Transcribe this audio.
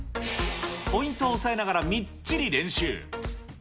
ポイントを押さえながらみっちり練習。